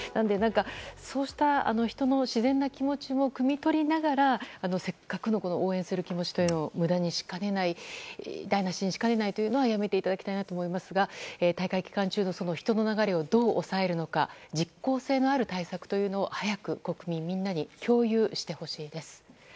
そうした人の自然な気持ちもくみ取りながら、せっかくの応援する気持ちというのを無駄にしかねない、台無しにしかねないということはやめていただきたいなと思いますが大会期間中の人の流れをどう抑えるのか実効性のある対策というのを早く国民みんなに共有してほしいです。